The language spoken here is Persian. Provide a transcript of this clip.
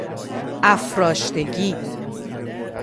افراشتگی